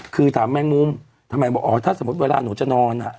คือถามแมงมุมทำไมบอกอ๋อถ้าสมมุติเวลาหนูจะนอน